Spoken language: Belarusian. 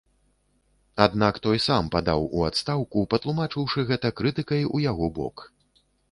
Аднак той сам падаў у адстаўку, патлумачыўшы гэта крытыкай у яго бок.